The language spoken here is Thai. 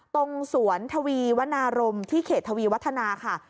ตรงสวนทวีวนารมที่เขตทวีวัฒนาค่ะ